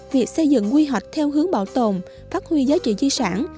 việc xây dựng quy hoạch theo hướng bảo tồn phát huy giá trị di sản